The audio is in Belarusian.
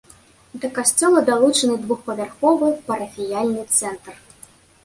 Да касцёла далучаны двухпавярховы парафіяльны цэнтр.